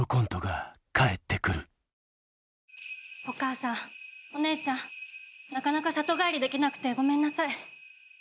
お母さんお姉ちゃんなかなか里帰りできなくてごめんなさい。